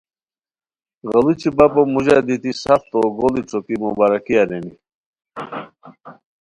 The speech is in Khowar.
غیڑوچی بپو موژہ دیتی سف تو گوڑی ݯوکی مبارکی ارینی